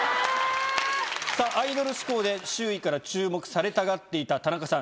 さあ、アイドル志向で周囲から注目されたがっていた田中さん。